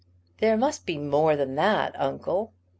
"There must be more than that, uncle."